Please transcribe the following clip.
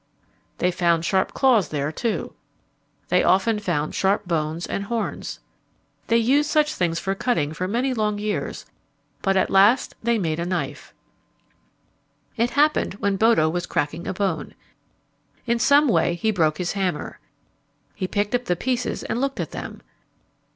They found sharp claws there, too. They often found sharp bones and horns. They used such things for cutting for many long years, but at last they made a knife. It happened when Bodo was cracking a bone. In some way he broke his hammer. He picked up the pieces and looked at them.